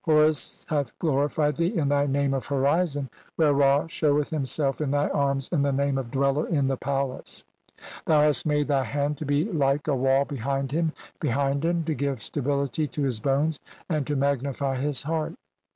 Horus "hath glorified thee in thy name of 'Horizon' where Ra "sheweth himself in thy arms in thy name of 'Dweller "in the palace'. Thou hast made thy hand to be like "a wall behind him, behind him, to give stability to "his bones and to magnify his heart."